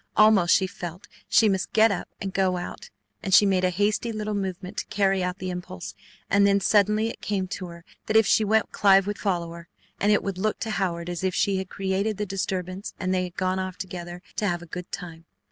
Almost she felt she must get up and go out, and she made a hasty little movement to carry out the impulse, and then suddenly it came to her that if she went Clive would follow her, and it would look to Howard as if she had created the disturbance and they had gone off together to have a good time.